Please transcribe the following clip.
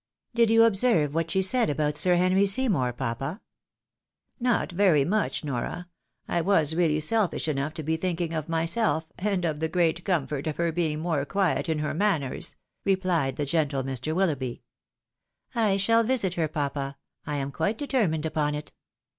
" Did you observe what she said about Sir Henry Seymour, papa ?"" Not very much, Nora ; I was really selfish enough to be thinking of myself, and of the great comfort of her being more quiet in her manners," replied the gentle Mr. Willoughby. " I shall visit her, papa, I am quite determined upon it."